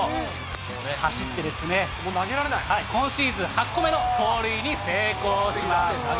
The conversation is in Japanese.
走ってですね、今シーズン８個目の盗塁に成功します。